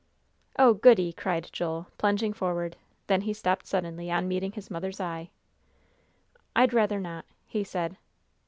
"Oh, goody!" cried Joel, plunging forward. Then he stopped suddenly, on meeting his mother's eye. "I'd rather not," he said.